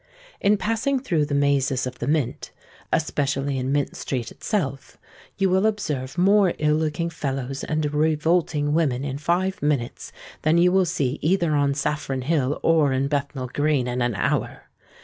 In passing through the mazes of the Mint—especially in Mint Street itself—you will observe more ill looking fellows and revolting women in five minutes than you will see either on Saffron Hill or in Bethnal Green in an hour.